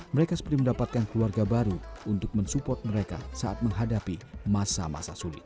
mereka seperti mendapatkan keluarga baru untuk mensupport mereka saat menghadapi masa masa sulit